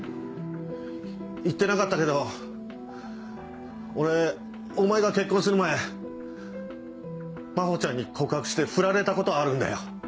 言ってなかったけど俺お前が結婚する前真帆ちゃんに告白してフラれたことあるんだよ。